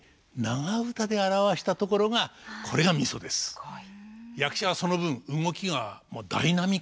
すごい。